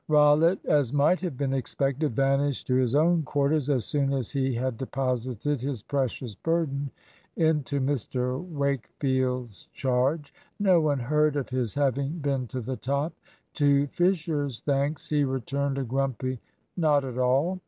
Rollitt, as might have been expected, vanished to his own quarters as soon as he had deposited his precious burden into Mr Wakefield's charge. No one heard of his having been to the top. To Fisher's thanks he returned a grumpy "Not at all."